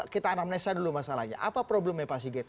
kita anamnesa dulu masalahnya apa problemnya pak sigit